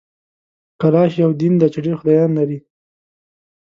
کلاش یو دین دی چي ډېر خدایان لري